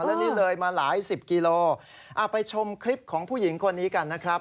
แล้วนี่เลยมาหลายสิบกิโลไปชมคลิปของผู้หญิงคนนี้กันนะครับ